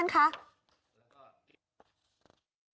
วันที่๗กรกฎาเนี่ยค่ะจะมีการสรุปโครงการเนี่ยค่ะ